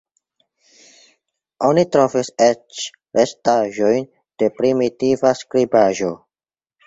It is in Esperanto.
Oni trovis eĉ restaĵojn de primitiva skribaĵo.